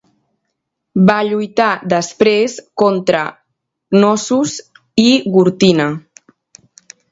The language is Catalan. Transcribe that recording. Va lluitar després contra Cnossos i Gortina.